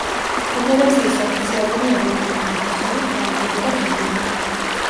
ფედერაციის ოფიციალური ენებია: ინგლისური, ფრანგული და გერმანული.